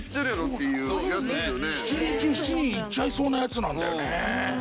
７人中７人いっちゃいそうなやつなんだよね。